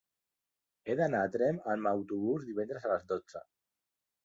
He d'anar a Tremp amb autobús divendres a les dotze.